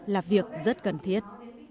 là việc rất cần thiết